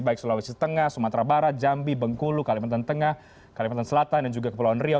baik sulawesi tengah sumatera barat jambi bengkulu kalimantan tengah kalimantan selatan dan juga kepulauan riau